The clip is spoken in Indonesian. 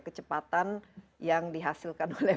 kecepatan yang dihasilkan oleh